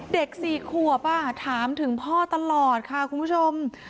เด็ก๔ขวบถามถึงพ่อตลอดค่ะคุณผู้ชม